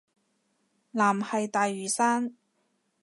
藍係大嶼山